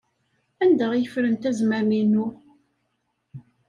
Anda ay ffrent azmam-inu?